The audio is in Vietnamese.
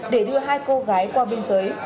để đưa hai cô gái qua bên giới